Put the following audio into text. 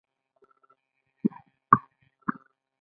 هغوی د عدالت غوښتنه رد کړه.